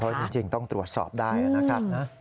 เพราะจริงต้องตรวจสอบได้นะครับ